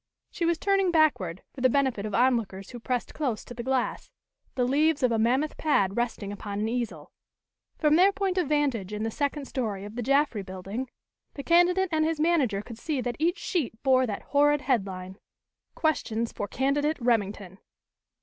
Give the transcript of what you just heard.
She was turning backward, for the benefit of onlookers who pressed close to the glass, the leaves of a mammoth pad resting upon an easel. From their point of vantage in the second story of the Jaffry Building, the candidate and his manager could see that each sheet bore that horrid headline: "QUESTIONS FOR CANDIDATE REMINGTON."